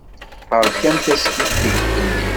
Beṛkamt askiddeb fell-i.